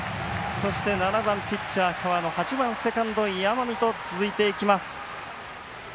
７番ピッチャー、河野８番、セカンドの山見と続いていきます。